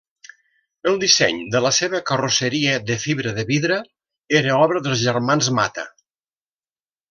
El disseny de la seva carrosseria de fibra de vidre era obra dels germans Mata.